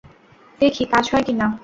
দেখি কাজ হয় কিনা।